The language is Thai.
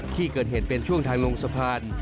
ที่เกิดเหตุเป็นช่วงทางลงสะพาน